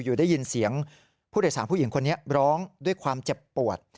อยู่ได้ยินเสียงผู้โดยสารผู้หญิงคนนี้ร้องด้วยความเจ็บปวด